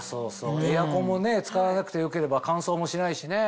エアコンも使わなくてよければ乾燥もしないしね。